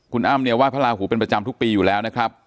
คุณอ้ำเนี่ยไห้พระราหูเป็นประจำทุกปีอยู่แล้วนะครับ